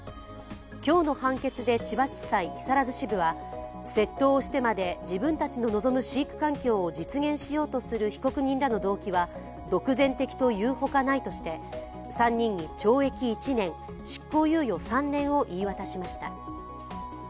今日の判決で千葉地裁木更津支部は窃盗をしてまで自分たちの望む飼育環境を実現しようとする被告人らの動機は独善的というほかないとして３人に懲役１年、執行猶予３年を言い渡しました。